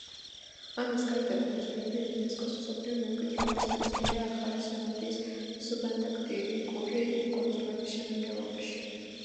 ამას გარდა, კუნძულები იუნესკოს მსოფლიო მემკვიდრეობის ნაწილია ახალი ზელანდიის სუბანტარქტიკული კუნძულების შემადგენლობაში.